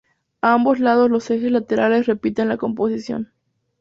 A ambos lados los ejes laterales repiten la composición.